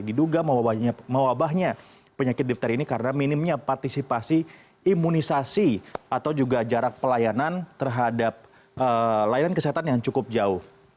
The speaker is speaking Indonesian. diduga mewabahnya penyakit difteri ini karena minimnya partisipasi imunisasi atau juga jarak pelayanan terhadap layanan kesehatan yang cukup jauh